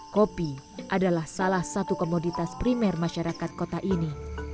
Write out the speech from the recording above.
kopi adalah salah satu komoditas primer masyarakat kota ini